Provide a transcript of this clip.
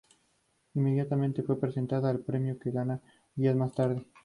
Inmediatamente fue presentada al premio, que gana días más tarde.